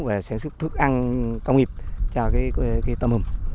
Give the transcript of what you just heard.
và sản xuất thức ăn công nghiệp cho cái tôm hầm